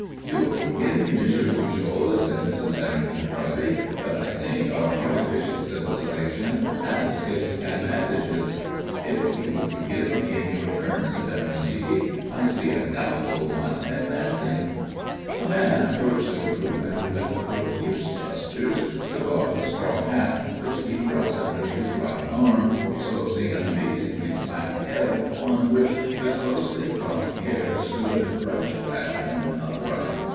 "You'll forgive me, Monsieur Pujol," said Mrs. Errington dryly, "but I think our artificial civilization has its advantages." "If you will forgive me, in your turn," said Aristide, "I see a doubtful one advancing." A man approached the group and with profuse gestures took off a straw hat which he thrust under his right arm, exposing an amazingly flat head on which the closely cropped hair stood brush fashion upright.